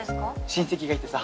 親戚がいてさ。